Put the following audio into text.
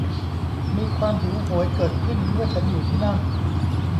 มีความหิวโหยเกิดขึ้นเมื่อฉันอยู่ที่นั่น